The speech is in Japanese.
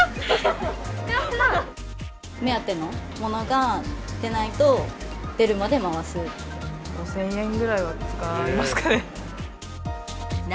目当てのものが出ないと、５０００円ぐらいは使いますかね。